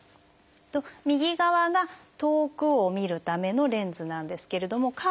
右側が遠くを見るためのレンズなんですけれどもカーブ